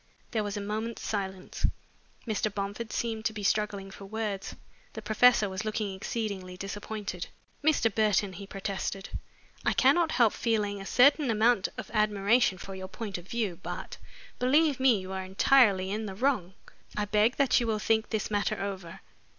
There was a moment's silence. Mr. Bomford seemed to be struggling for words. The professor was looking exceedingly disappointed. "Mr. Burton," he protested, "I cannot help feeling a certain amount of admiration for your point of view, but, believe me, you are entirely in the wrong. I beg that you will think this matter over."